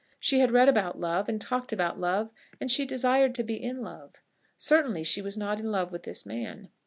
She had read about love, and talked about love; and she desired to be in love. Certainly she was not in love with this man.